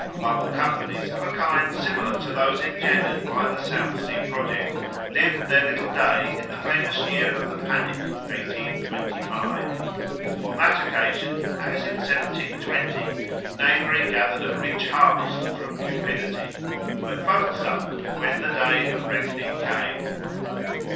Bubble companies, of a kind similar to those engendered by the South Sea project, lived their little day in the famous year of the panic, 1825. On that occasion, as in 1720, knavery gathered a rich harvest from cupidity, but both suffered when the day of reckoning came.